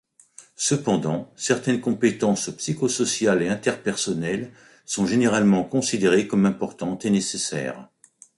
Cependant, certaines compétences psychosociales et interpersonnelles sont généralement considérées comme importantes et nécessaires.